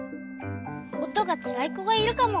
「おとがつらいこがいるかも。